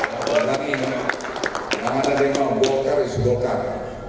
tapi yang mana ada yang mau golkar is golkar